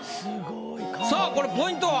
さあこれポイントは？